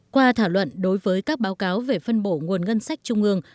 qua thảo luận đối với các báo cáo về phân bổ nguồn ngân sách trung ương